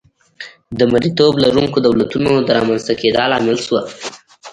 د مریتوب لرونکو دولتونو د رامنځته کېدا لامل شوه.